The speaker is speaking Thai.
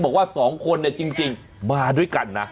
บอกว่าสองคนเนี่ยจริงมาด้วยกันนะ